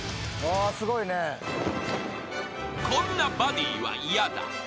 ［こんなバディは嫌だ］